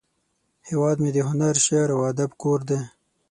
هیواد مې د هنر، شعر، او ادب کور دی